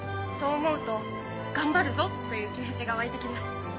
そう思うと「頑張るぞ」という気持ちが湧いて来ます。